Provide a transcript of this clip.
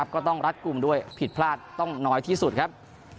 ก็ต้องรัดกลุ่มด้วยผิดพลาดต้องน้อยที่สุดครับ